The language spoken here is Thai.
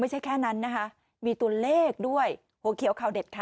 ไม่ใช่แค่นั้นนะคะมีตัวเลขด้วยโหเขียวขาวเด็ดค่ะ